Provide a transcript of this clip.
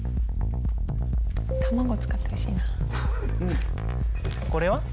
卵使ってほしいなこれは？